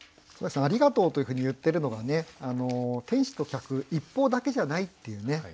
「ありがとう」というふうに言ってるのがね店主と客一方だけじゃないっていうね